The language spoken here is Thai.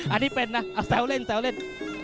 อันนี้เป็นนะแซวเล่นแซวเล่น